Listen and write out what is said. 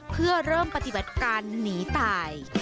เพื่อเริ่มปฏิบัติการหนีตาย